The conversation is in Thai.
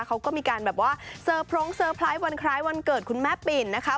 เขาก็มีการแบบว่าเซอร์พรงเตอร์ไพรส์วันคล้ายวันเกิดคุณแม่ปิ่นนะคะ